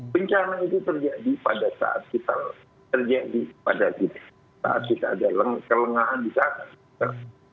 bencana itu terjadi pada saat kita ada kelengahan di sana